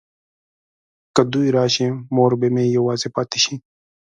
که دوی راشي مور به مې یوازې پاته شي.